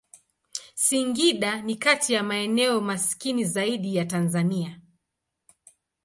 Singida ni kati ya maeneo maskini zaidi ya Tanzania.